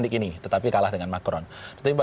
yang ketiga adalah peperangan di sejarah nah romita